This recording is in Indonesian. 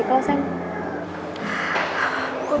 roman punya sahabat sebaik lo sam